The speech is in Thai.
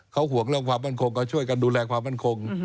เขาห่วงเรื่องความมั่นคงเขาช่วยกันดูแลความมั่นคง